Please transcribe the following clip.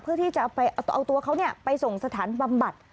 เพื่อที่จะเอาตัวเขาไปส่งสถานบำบัด